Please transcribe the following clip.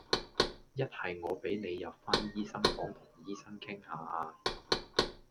一係我俾你入返醫生房同醫生傾吓呀